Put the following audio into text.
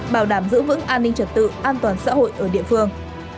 bảo đảm giữ vững an ninh trật tự an toàn xã hội ở địa phương